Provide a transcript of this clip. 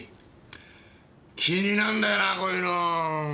気になるんだよなこういうの。